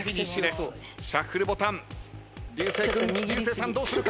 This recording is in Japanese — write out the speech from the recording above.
シャッフルボタン竜星さんどうするか？